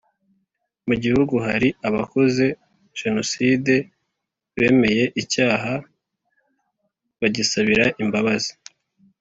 Mu gihugu hari abakoze Jenoside bemeye icyaha bagisabira imbabazi